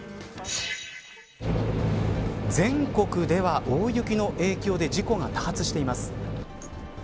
全国では、大雪の影響で事故が多発しています。